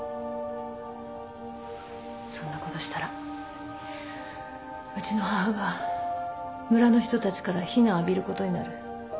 そんなことしたらうちの母が村の人たちから非難を浴びることになる。